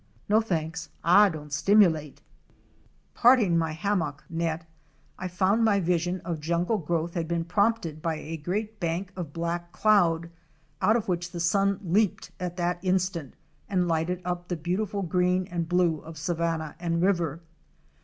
"No tanks, ah doesn't stimulate." 384 OUR SEARCH FOR A WILDERNESS. Parting my hammock net, I found my vision of jungle growth had been prompted by a great bank of black cloud, out of which the sun leaped at that instant and lighted up the beautiful green and blue of savanna and river.